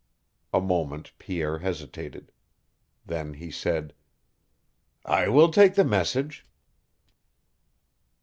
A moment Pierre hesitated. Then he said: "I will take the message."